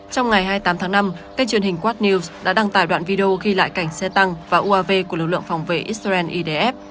trong ngày hai mươi tám tháng năm kênh truyền hình wat news đã đăng tải đoạn video ghi lại cảnh xe tăng và uav của lực lượng phòng vệ israel idf